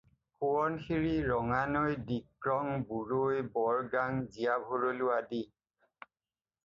সোৱণশিৰি, ৰঙানৈ, ডিক্ৰং, বুৰৈ, বৰগাং, জীয়া ভৰলু আদি।